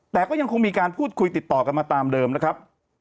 แต่ก็ยังคงมีการพูดคุยติดต่อกันมาตามเดิมนะครับ